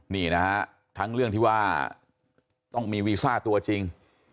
นี่นะฮะทั้งเรื่องที่ว่าต้องมีวีซ่าตัวจริง